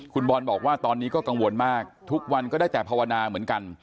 คุณบอลบอกว่าตอนนี้ก็กังวลมากทุกวันก็ได้แต่ภาวนาเหมือนกัน